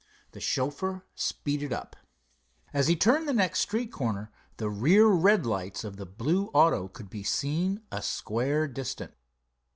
The chauffeur speeded up. As he turned the next street corner the rear red lights of the blue auto could be seen a square distant.